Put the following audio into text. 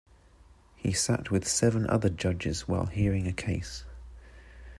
He sat with seven other judges while hearing a case.